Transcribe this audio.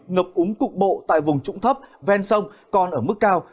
ngập úng cục bộ tại vùng trụng thấp ven sông còn ở mức cao